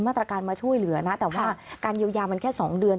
มาตรการมาช่วยเหลือนะแต่ว่าการเยียวยามันแค่๒เดือน